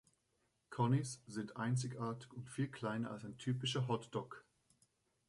"Coneys" sind einzigartig und viel kleiner als ein typischer Hot Dog.